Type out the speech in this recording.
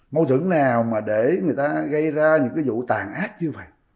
mâu thuẫn nào mà để người ta gây ra những cái vụ tàn ác như vậy